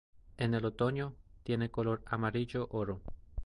En el otoño tiene c olor amarillo oro.